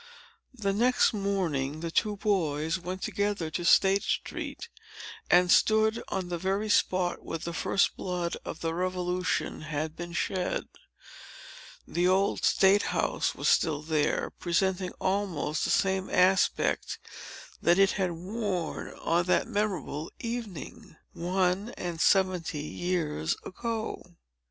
The next morning, the two boys went together to State Street, and stood on the very spot where the first blood of the Revolution had been shed. The Old State House was still there, presenting almost the same aspect that it had worn on that memorable evening, one and seventy years ago.